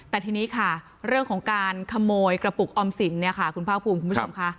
แต่ทีนี้ค่ะเรื่องของการขโมยกระปุกออมสินเนี่ยค่ะคุณภาคภูมิคุณผู้ชมค่ะ